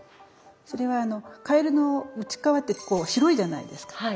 それはカエルの内っ側ってこう白いじゃないですか。